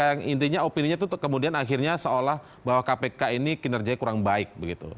yang intinya opininya itu kemudian akhirnya seolah bahwa kpk ini kinerjanya kurang baik begitu